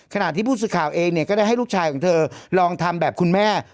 ขณะที่ผู้สื่อข่าวเองเนี่ยก็ได้ให้ลูกชายของเธอลองทำแบบคุณแม่